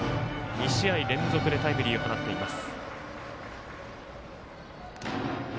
２試合連続でタイムリーを放っています。